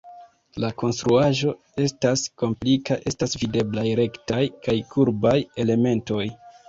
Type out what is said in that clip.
La konstruaĵo estas komplika, estas videblaj rektaj kaj kurbaj elementoj.